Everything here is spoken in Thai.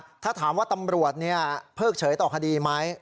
คุณผู้ชมถ้าถามว่าตำรวจเผิกเฉยต่อคดีไหม